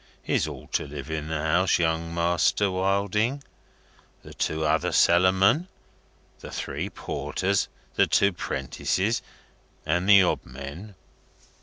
Is all to live in the house, Young Master Wilding? The two other cellarmen, the three porters, the two 'prentices, and the odd men?"